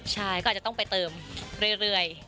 ใช่ก็อาจจะต้องไปเติมเรื่อย